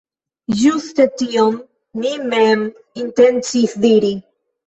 Ĝuste tion mi mem intencis diri.